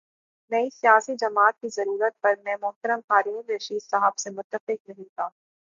نئی سیاسی جماعت کی ضرورت پر میں محترم ہارون الرشید صاحب سے متفق نہیں تھا۔